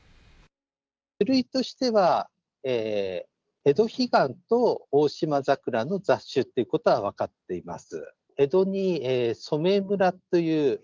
種類としてはエドヒガンとオオシマザクラの雑種ということは分かっています。